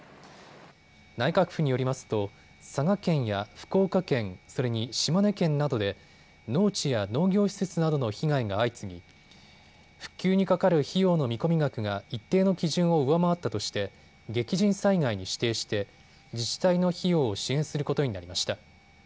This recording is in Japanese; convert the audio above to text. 内閣府によりますと佐賀県や福岡県、それに島根県などで農地や農業施設などの被害が相次ぎ復旧にかかる費用の見込み額が一定の基準を上回ったとして激甚災害に指定して自治体の費用を支援することになりました。